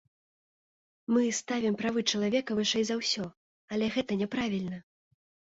Мы ставім правы чалавека вышэй за ўсё, але гэта няправільна!